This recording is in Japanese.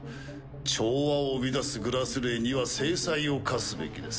調和を乱す「グラスレー」には制裁を科すべきです。